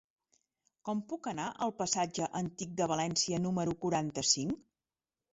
Com puc anar al passatge Antic de València número quaranta-cinc?